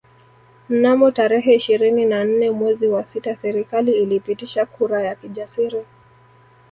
Mnamo tarehe ishirini na nne mwezi wa sita serikali ilipitisha kura ya kijasiri